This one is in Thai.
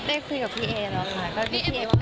ได้คุยกับพี่เอแล้วค่ะ